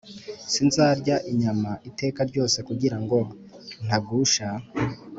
sinzarya inyama iteka ryose kugira ngo ntagusha